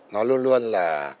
nó luôn luôn là